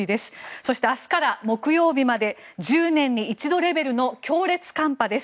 そして、明日から木曜日まで１０年に一度レベルの強烈寒波です。